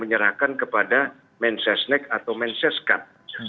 menyerahkan kepada mensesnek atau menseskat